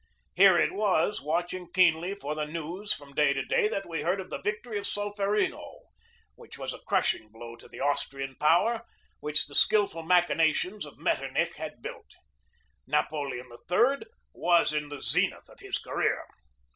Here it was, watching keenly for the news from day to day, that we heard of the victory of Solferino, which was a crushing blow to the Austrian power which the skilful machinations of Metternich had built. Napoleon III was in the zenith of his career.